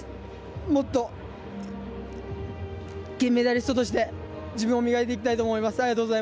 もっと、金メダリストとして自分を磨いていきたいと思います。